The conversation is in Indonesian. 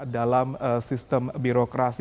dalam sistem birokrasi